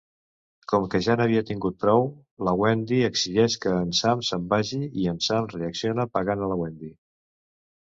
Com que ja n'havia tingut prou, la Wendy exigeix que en Sam se'n vagi, i en Sam reacciona pegant a la Wendy.